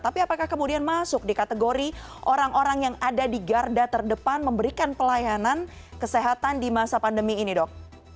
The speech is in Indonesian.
tapi apakah kemudian masuk di kategori orang orang yang ada di garda terdepan memberikan pelayanan kesehatan di masa pandemi ini dok